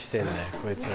こいつら。